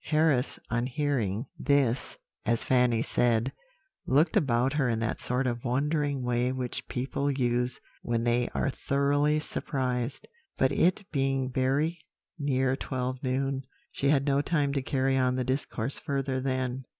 "Harris, on hearing this, as Fanny said, looked about her in that sort of wondering way which people use when they are thoroughly surprised; but it being very near twelve at noon, she had no time to carry on the discourse further then.